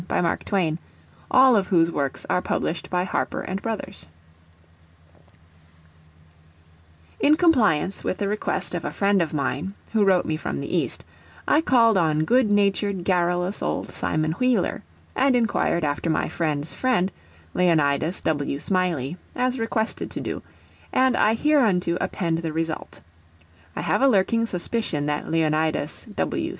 THE CELEBRATED JUMPING FROG OF CALAVERAS COUNTY By Mark Twain (1835–1910) In compliance with the request of a friend of mine, who wrote me from the East, I called on good natured, garrulous old Simon Wheeler, and inquired after my friend's friend, Leonidas W. Smiley, as requested to do, and I hereunto append the result. I have a lurking suspicion that _Leonidas W.